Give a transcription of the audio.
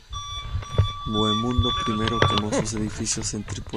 Bohemundo primero quemó sus edificios en Trípoli.